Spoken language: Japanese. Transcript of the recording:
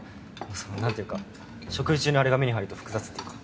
そのなんていうか食事中にあれが目に入ると複雑っていうか。